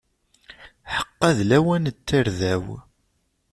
Ḥeqqa d lawan n tarda-w!